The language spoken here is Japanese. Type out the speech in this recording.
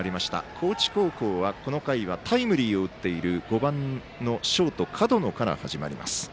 高知高校は、この回はタイムリーを打っている５番のショート門野から始まります。